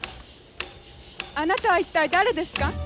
あなたは一体誰ですか？